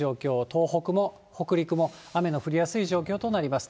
東北も北陸も雨の降りやすい状況となります。